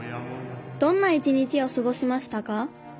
どんな一日をすごしましたか？